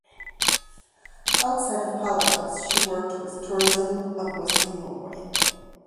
Outside of politics she worked with tourism of Western Norway.